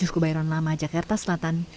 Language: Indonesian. tujuh kubairon lama jakarta selatan